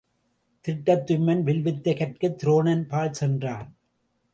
திட்டத்துய்மன் வில்வித்தை கற்கத் துரோணன் பால் சென்றான்.